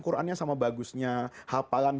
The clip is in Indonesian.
qurannya sama bagusnya hafalan